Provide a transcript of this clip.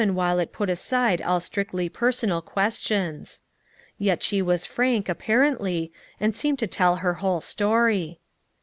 while it put aside all strictly personal ques tions. Yet she was frank, apparently, and seemed to tell her whole story.